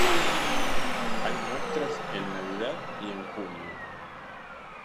Hay muestras en Navidad y en junio.